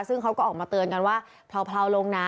ซึ่งเขาก็ออกมาเตือนกันว่าเผลาลงนะ